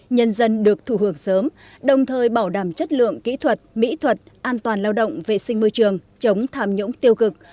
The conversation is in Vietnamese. nhân dân được thù hưởng sớm đồng thời bảo đảm chất lượng kỹ thuật mỹ thuật an toàn lao động vệ sinh môi trường chống thảm nhũng tiêu cực